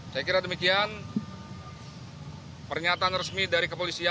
saya kira demikian pernyataan resmi dari kepolisian